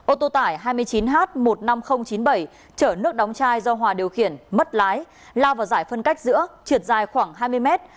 ô tô tải hai mươi chín h một mươi năm nghìn chín mươi bảy chở nước đóng chai do hòa điều khiển mất lái lao vào giải phân cách giữa trượt dài khoảng hai mươi mét